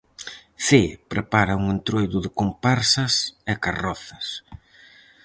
Cee prepara un Entroido de comparsas e carrozas.